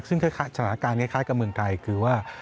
ซึ่งสถานการณ์คล้ายกับเมืองไทยคือว่า